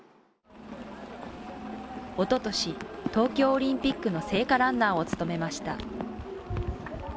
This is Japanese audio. おととし、東京オリンピックの聖火ランナーを務めました。